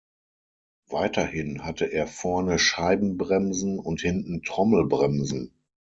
Weiterhin hatte er vorne Scheibenbremsen und hinten Trommelbremsen.